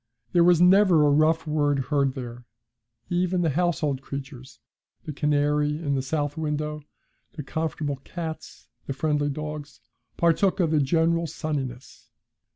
There was never a rough word heard there; even the household creatures, the canary in the south window, the comfortable cats, the friendly dogs, partook of the general sunniness.